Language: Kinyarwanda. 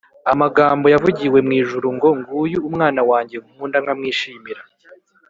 Amagambo yavugiwe mw’ijuru ngo, “Nguyu Umwana wanjye nkunda nkamwishimira